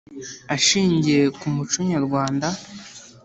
ashingiye ku muco nyarwanda.